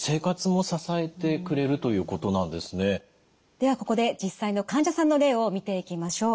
ではここで実際の患者さんの例を見ていきましょう。